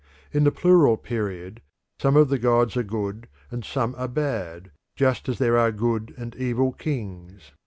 In the plural period some of the gods are good and some are bad, just as there are good and evil kings.